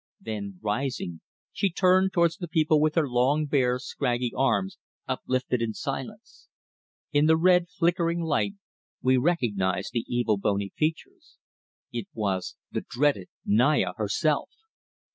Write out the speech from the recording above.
Then, rising, she turned towards the people with her long, bare, scraggy arms uplifted in silence. In the red flickering light we recognized the evil bony features. It was the dreaded Naya herself!